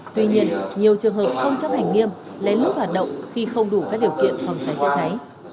tuy nhiên nhiều trường hợp không chấp hành nghiêm lấy lúc hoạt động khi không đủ các điều kiện phòng trái chữa cháy